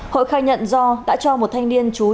hội khai nhận do đã cho một thanh niên chú trẻ